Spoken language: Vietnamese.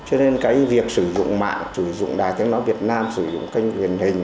cho nên cái việc sử dụng mạng sử dụng đài tiếng nói việt nam sử dụng kênh truyền hình